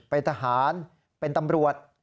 เป็นทหารเป็นตำรวจ